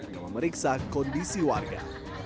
dan memeriksa kondisi warga